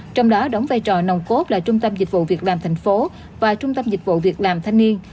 trong đó đóng vai trò nồng cốt là trung tâm dịch vụ việc làm thành phố và trung tâm dịch vụ việc làm thanh niên